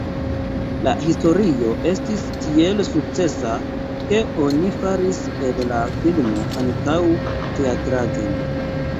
La historio estis tiel sukcesa, ke oni faris el la filmo ankaŭ teatraĵon.